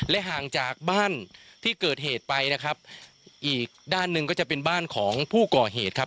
ห่างจากบ้านที่เกิดเหตุไปนะครับอีกด้านหนึ่งก็จะเป็นบ้านของผู้ก่อเหตุครับ